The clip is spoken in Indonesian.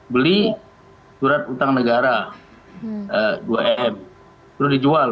beli surat utang negara dua m sudah dijual